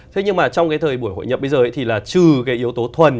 thế nhưng mà trong cái thời buổi hội nhập bây giờ thì là trừ cái yếu tố thuần